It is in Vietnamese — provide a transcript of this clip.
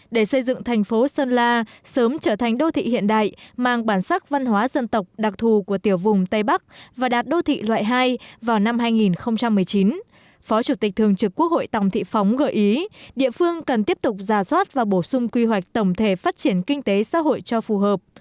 để xây dựng thành phố sơn la sớm trở thành đô thị hiện đại mang bản sắc văn hóa dân tộc đặc thù của tiểu vùng tây bắc và đạt đô thị loại hai vào năm hai nghìn một mươi chín phó chủ tịch thường trực quốc hội tòng thị phóng gợi ý địa phương cần tiếp tục ra soát và bổ sung quy hoạch tổng thể phát triển kinh tế xã hội cho phù hợp